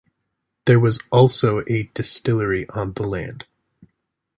There was also a distillery on the land.